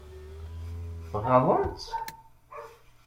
Ɣaḍen-tt?